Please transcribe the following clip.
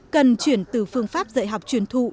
cần chuyển từ phương pháp dạy học chuyển